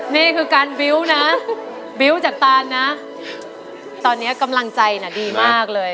นี่คือการบิ้วนะบิ๊วตจากตานนะตอนนี้กำลังใจน่ะดีมากเลย